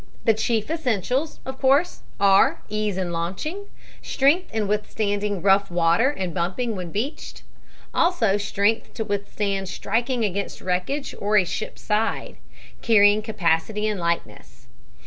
The chief essentials, of course, are ease in launching, strength in withstanding rough water and bumping when beached; also strength to withstand striking against wreckage or a ship's side; carrying capacity and lightness.